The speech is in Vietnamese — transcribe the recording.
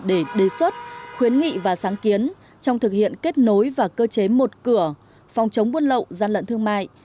để đề xuất khuyến nghị và sáng kiến trong thực hiện kết nối và cơ chế một cửa phòng chống buôn lậu gian lận thương mại